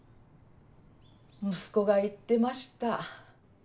息子が言ってました。